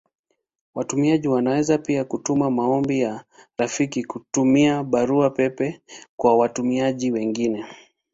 Watumiaji wanaweza pia kutuma maombi ya rafiki kutumia Barua pepe kwa watumiaji wengine.